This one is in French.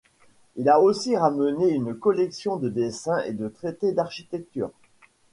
Il a aussi ramené une collection de dessins et de traités d'architecture.